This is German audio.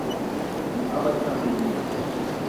Die Arbeit kann beginnen.